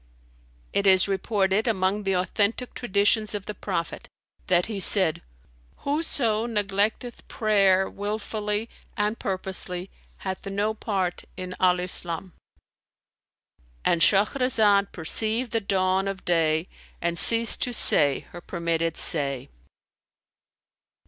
"It is reported, among the authentic Traditions of the Prophet, that he said, 'Whoso neglecteth prayer wilfully and purposely hath no part in Al Islam.'"—And Shahrazad perceived the dawn of day and ceased to say her permitted say.